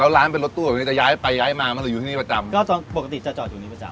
แล้วร้านเป็นรถตู้หรือจะย้ายไปย้ายมาหรืออยู่ที่นี่ประจำก็ปกติจะจอดอยู่นี่ประจำ